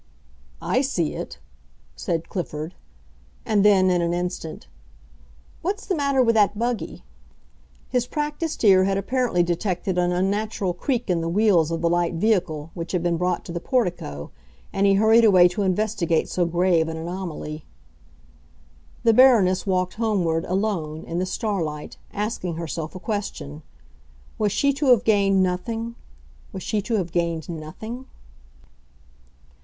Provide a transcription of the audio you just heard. "I see it!" said Clifford. And then, in an instant, "What's the matter with that buggy?" His practiced ear had apparently detected an unnatural creak in the wheels of the light vehicle which had been brought to the portico, and he hurried away to investigate so grave an anomaly. The Baroness walked homeward, alone, in the starlight, asking herself a question. Was she to have gained nothing—was she to have gained nothing?